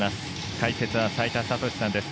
解説は齋田悟司さんです。